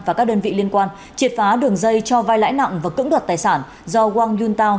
và các đơn vị liên quan triệt phá đường dây cho vai lãi nặng và cưỡng đoạt tài sản do wang yuntao